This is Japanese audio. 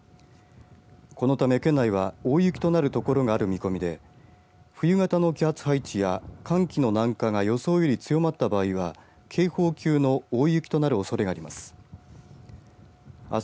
このため県内は大雪となる所がある見込みで冬型の気圧配置や寒気の南下が予想より強まった場合は警報級の大雪となるおそれがあります。